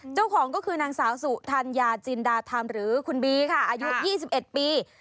เจ้าของก็คือนางสาวสุธัญญาจินดาธรรมหรือคุณบีค่ะอายุ๒๑ปี